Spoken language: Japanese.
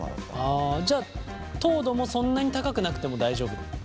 ああじゃあ糖度もそんなに高くなくても大丈夫ってこと？